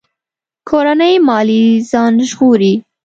کورنۍ ماليې ځان ژغوري.